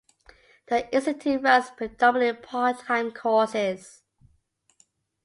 The Institute runs predominantly part-time courses.